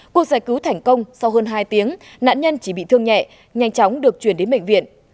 cuộc giải cứu thành công sau hơn hai tiếng nạn nhân chỉ bị thương nhẹ nhanh chóng được chuyển đến bệnh viện